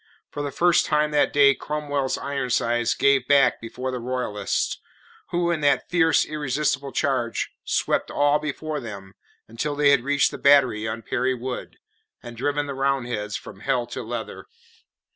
For the first time that day Cromwell's Ironsides gave back before the Royalists, who in that fierce, irresistible charge, swept all before them until they had reached the battery on Perry Wood, and driven the Roundheads from it hell to leather.